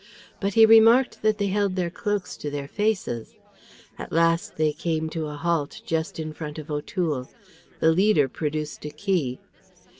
But he remarked that they held their cloaks to their faces. At last they came to a halt just in front of O'Toole. The leader produced a key.